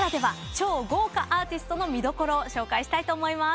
超豪華アーティストの見どころを紹介したいと思います。